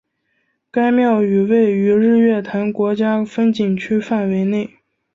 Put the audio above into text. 该庙宇位于日月潭国家风景区范围内。